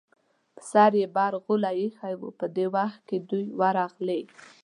پر سر یې برغولی ایښی و، په دې وخت کې دوی ورغلې.